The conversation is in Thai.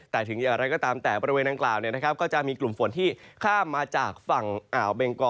แต่ถึงอย่างไรก็ตามแต่บริเวณดังกล่าวก็จะมีกลุ่มฝนที่ข้ามมาจากฝั่งอ่าวเบงกอ